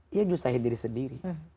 dia menyusahkan diri sendiri